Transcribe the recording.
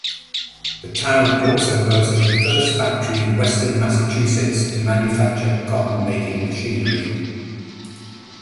The town also boasted the first factory in western Massachusetts to manufacture cotton-making machinery.